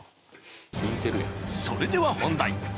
［それでは本題］